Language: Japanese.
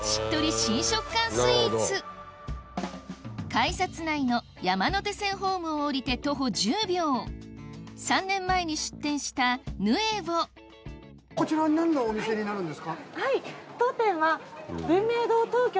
改札内の山手線ホームを下りて徒歩１０秒３年前に出店したこちらは何のお店になるんですか？